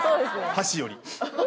箸より。